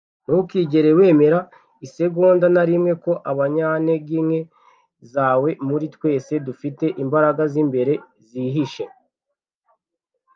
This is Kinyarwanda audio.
ntukigere wemera isegonda na rimwe ko abanyantege nke zawe, muri twese dufite imbaraga z'imbere zihishe